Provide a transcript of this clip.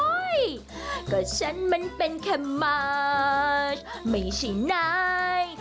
อ้าฮ่อก็ฉันมันเป็นแค่มันไม่ใช่นาย